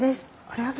どうぞ。